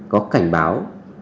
có cảnh báo